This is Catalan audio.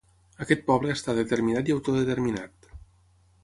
Aquest poble està determinat i autodeterminat.